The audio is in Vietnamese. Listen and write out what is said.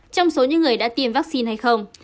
trong số những người đã tiêm vaccine hay không